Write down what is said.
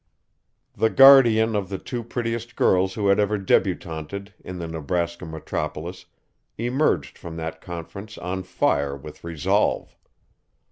The guardian of the two prettiest girls who had ever debutanted in the Nebraska metropolis emerged from that conference on fire with resolve.